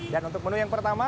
dan untuk menu yang pertama